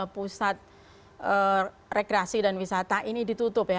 pusat rekreasi dan wisata ini ditutup ya